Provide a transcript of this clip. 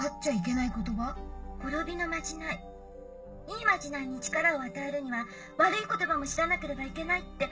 ・・亡びのまじない・・いいまじないに力を与えるには悪い言葉も知らなければいけないって・・